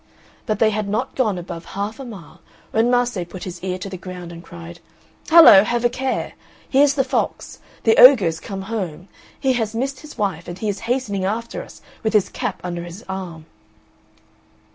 But they had not gone above half a mile when Mase put his ear to the ground and cried: "Hallo, have a care; here's the fox. The ogre is come home. He has missed his wife and he is hastening after us with his cap under his arm."